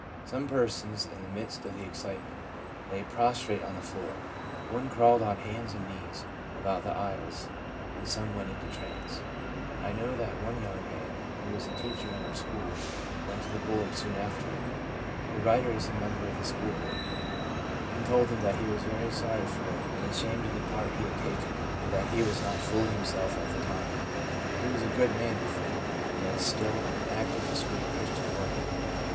Some persons, in the midst of the excitement, lay prostrate on the floor, one crawled on hands and knees about the aisles, and some went into trance. ' I know that one young man, who was a teacher in our school, went to the Board soon afterward ' (the writer is a member of the School Board) * and told them that he was very sorry for and ashamed 170 THE PSYCHOLOGY OF RELIGION of the part he had taken, and that he was not fully him self at the time. He was a good man before, and is still an active, discreet Christian worker.